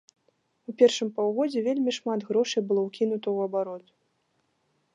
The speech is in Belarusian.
У першым паўгоддзі вельмі шмат грошай было ўкінута ў абарот.